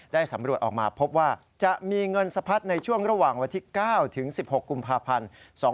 สำรวจออกมาพบว่าจะมีเงินสะพัดในช่วงระหว่างวันที่๙ถึง๑๖กุมภาพันธ์๒๕๖๒